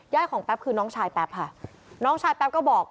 ของแป๊บคือน้องชายแป๊บค่ะน้องชายแป๊บก็บอก